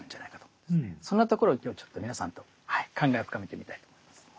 そんなところを今日ちょっと皆さんと考えを深めてみたいと思います。